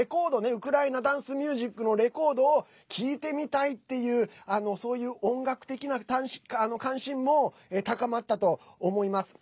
ウクライナダンスミュージックのレコードを聴いてみたいというそういう音楽的な関心も高まったと思います。